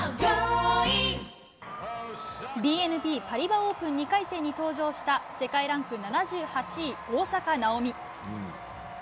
ＢＮＰパリバ・オープン２回戦に登場した世界ランク７８位、大坂なおみ。